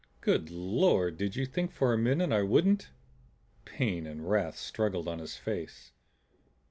"Good Lord! Did you think for a minute I wouldn't?" Pain and wrath struggled on his face.